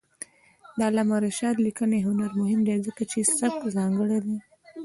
د علامه رشاد لیکنی هنر مهم دی ځکه چې سبک ځانګړی دی.